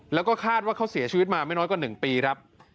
แล้วก็คาดว่าเขาเสียชีวิตมาไม่น้อยกว่า๑ปีครับ